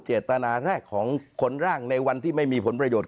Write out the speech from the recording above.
เจตนาแรกของขนร่างในวันที่ไม่มีผลประโยชน